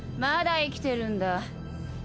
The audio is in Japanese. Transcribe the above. まだ生きてるんだ。